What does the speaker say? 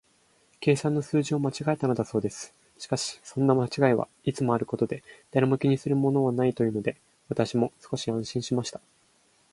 計算の数字を間違えたのだそうです。しかし、そんな間違いはいつもあることで、誰も気にするものはないというので、私も少し安心しました。